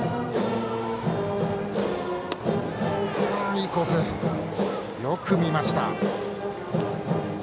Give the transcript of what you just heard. いいコースでしたがよく見ました。